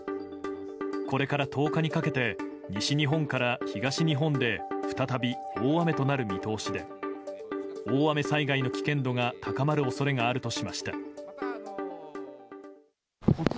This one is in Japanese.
これから１０日にかけて西日本から東日本で再び大雨となる見通しで大雨災害の危険度が高まる恐れがあるとしました。